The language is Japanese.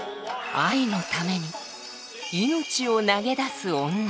愛のために命を投げ出す女。